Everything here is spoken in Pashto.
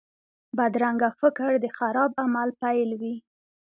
بدرنګه فکر د خراب عمل پیل وي